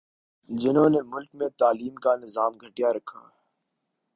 جہنوں نے ملک میں تعلیم کا نظام گٹھیا رکھا